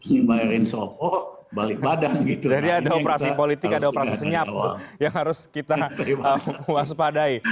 jadi ada operasi politik ada operasi senyap yang harus kita waspadai